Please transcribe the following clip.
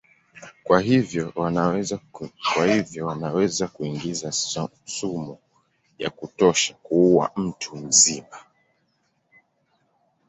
Kwa hivyo wanaweza kuingiza sumu ya kutosha kuua mtu mzima.